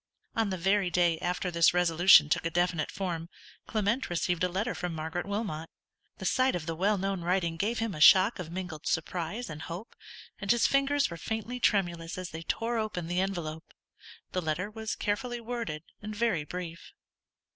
On the very day after this resolution took a definite form, Clement received a letter from Margaret Wilmot. The sight of the well known writing gave him a shock of mingled surprise and hope, and his fingers were faintly tremulous as they tore open the envelope. The letter was carefully worded, and very brief.